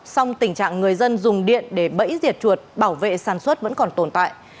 song tình trạng người dân dùng điện để bẫy diệt chuột bảo vệ sản xuất vẫn còn tồn tại